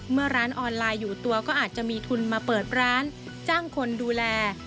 เมื่อร้านออนไลน์อยู่ตัวก็อาจจะมีทุนมาเปิดร้านจ้างคนดูแล